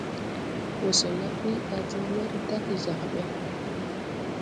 Wɔsɛla ɓuy a diŋ wɛr dage jag ɓɛ.